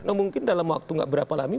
nah mungkin dalam waktu gak berapa lama